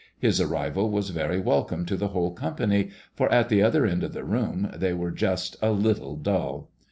His arrival was very welcome to the whole company, for at the other end of the room they were just a little dull.